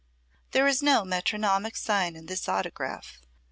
There is no metronomic sign in this autograph.